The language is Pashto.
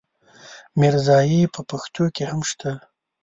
ميرزايي په پښتو کې هم شته.